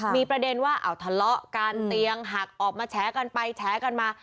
มีประเด็นว่าเอาทะเลาะกันเตียงหักออกมาแฉกันไปแฉกันมา